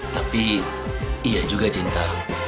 tapi iya juga cinta